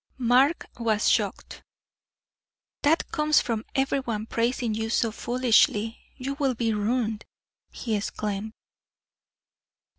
Mark was shocked. "That comes from every one praising you so foolishly; you will be ruined!" he exclaimed.